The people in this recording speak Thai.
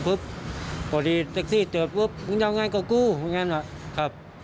พอดีแท็กซี่เติบยาวง่ายกว่ากูยังไงหน่อยครับ